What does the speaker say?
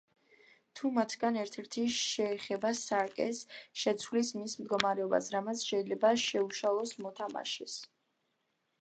თუ მათგან ერთ-ერთი შეეხება სარკეს, შეცვლის მის მდგომარეობას, რამაც შეიძლება შეუშალოს მოთამაშეს.